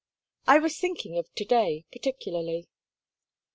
"I was thinking of to day, particularly."